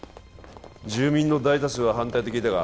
住民の大多数は反対と聞いたが